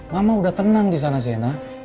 mama udah tenang di sana sena